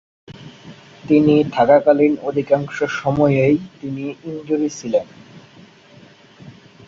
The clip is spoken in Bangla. তিনি থাকাকালীন অধিকাংশ সময়েই তিনি ইনজুরি ছিলেন।